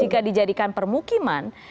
jadi kalau kita bisa membuat permukiman